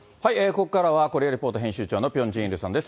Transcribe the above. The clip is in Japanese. ここからはコリア・レポート編集長のピョン・ジンイルさんです。